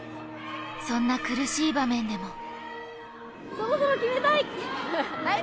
そんな苦しい場面でも。